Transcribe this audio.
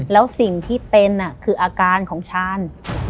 แล้วสิ่งที่เป็นคืออาการของชาญ